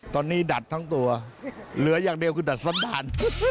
ตอนนี้ดัดทั้งตัวเหลืออย่างเดียวคือดัดสันดาล